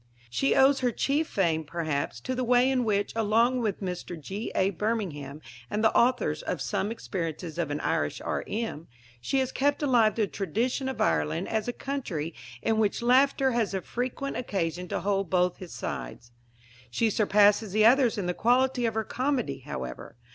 She owes her chief fame, perhaps, to the way in which, along with Mr. G.A. Birmingham and the authors of Some Experiences of an Irish R.M., she has kept alive the tradition of Ireland as a country in which Laughter has frequent occasion to hold both his sides. She surpasses the others in the quality of her comedy, however.